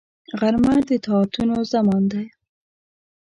غرمه د طاعتونو زمان ده